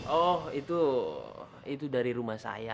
oh itu itu dari rumah saya ada masalah